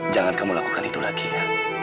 jangan kamu lakukan itu lagi ya